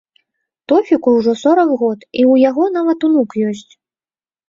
Тофіку ўжо сорак год і ў яго нават унук ёсць.